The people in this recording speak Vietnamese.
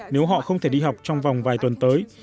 nếu họ không thể đi học trong vòng vài tuần tới